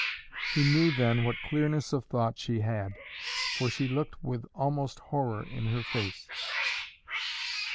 He knew then what clearness of thought she had, for she looked with almost horror in her face.